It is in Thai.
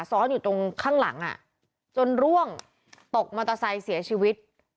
ซ้อนอยู่ตรงข้างหลังจนร่วงตกมอเตอร์ไซค์เสียชีวิต